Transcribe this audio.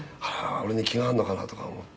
俺に気があんのかなとか思って」